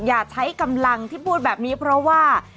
อย่าใช้กำลังที่พูดแบบนี้เพราะว่า